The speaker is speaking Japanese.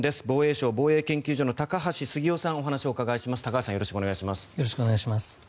防衛省防衛研究所の高橋杉雄さんにお話をお伺いします。